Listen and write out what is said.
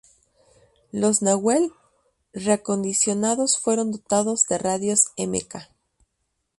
Los Nahuel reacondicionados fueron dotados de radios Mk.